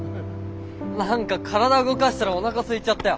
何か体動かしたらおなかすいちゃったよ。